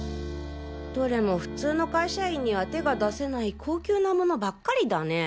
どれも普通の会社員には手が出せない高級なものばっかりだね。